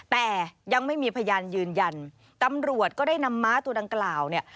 แต่ยังไม่มีพยานยืนยันตำรวจก็ได้นำม้าตัวดังกล่าวเนี่ย